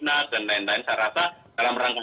dan lain lain saya rasa dalam rangka